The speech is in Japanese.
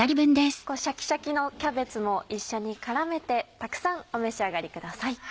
シャキシャキのキャベツも一緒に絡めてたくさんお召し上がりください。